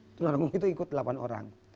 tuna rungu itu ikut delapan orang